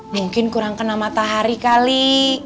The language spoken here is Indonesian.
mungkin kurang kena matahari kali